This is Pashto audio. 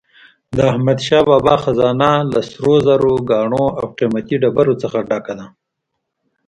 د احمدشاه بابا خزانه له سروزرو، ګاڼو او قیمتي ډبرو نه ډکه وه.